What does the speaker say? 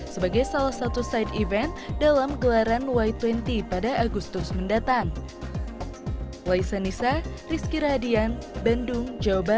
sebagai salah satu side event dalam gelaran y dua puluh pada agustus mendatang